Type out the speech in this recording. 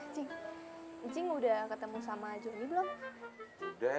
incing incing udah ketemu sama juni belum